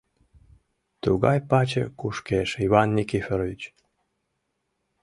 Тугай паче кушкеш, Иван Никифорович.